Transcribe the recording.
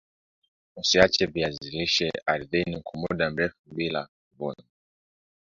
Usiviache viazi lishe ardhini kwa muda mrefu bila kuvunwa